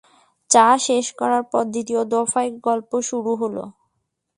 চা শেষ করার পর দ্বিতীয় দফায় গল্প শুরু হল।